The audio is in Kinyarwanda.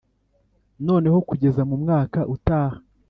noneho kugeza mu mwaka utaha